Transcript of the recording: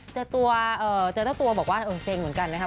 เจอเจ้าตัวบอกว่าเซ็งเหมือนกันนะครับ